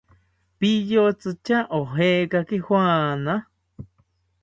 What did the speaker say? ¿Piyotzi tya ojekaki juana?